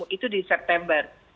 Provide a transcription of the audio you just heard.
itu di september